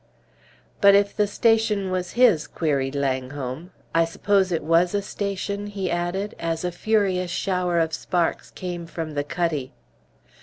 "But if the station was his?" queried Langholm. "I suppose it was a station?" he added, as a furious shower of sparks came from the cutty.